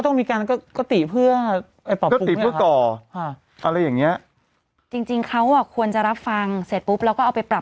ต้องมีการก็ตีเพื่อก่ออะไรอย่างนี้จริงเขาควรจะรับฟังเสร็จปุ๊บแล้วก็เอาไปปรับปรุง